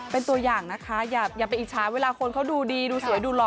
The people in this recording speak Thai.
เป็นตัวอย่างนะคะอย่าไปอิจฉาเวลาคนเขาดูดีดูสวยดูหล